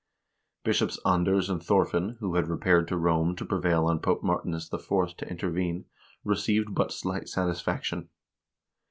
Bishops Anders and Thorfinn, who had repaired to Rome to prevail on Pope Martinus IV. to intervene, received but slight satisfaction.